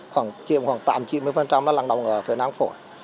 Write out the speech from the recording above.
khiếm khoảng tám mươi chín mươi là lặng đồng ở phía nam phổi